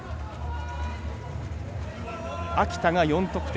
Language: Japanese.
秋田が４得点。